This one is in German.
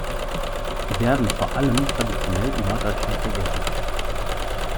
Sie werden vor allem traditionell in Norddeutschland gegessen.